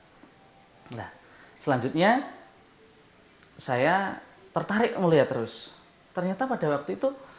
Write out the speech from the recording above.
layang beberapa hai nah selanjutnya hai saya tertarik mulia terus ternyata pada waktu itu